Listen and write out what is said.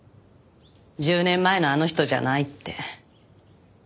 １０年前のあの人じゃないって。